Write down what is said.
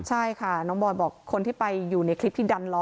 ใช่ค่ะน้องบอยบอกคนที่ไปอยู่ในคลิปที่ดันล้อ